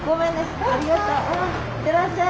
いってらっしゃい。